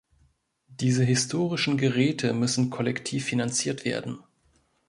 Diese historischen Geräte müssen kollektiv finanziert werden.